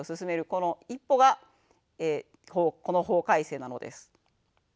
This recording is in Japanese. この一歩がこの法改正なのです。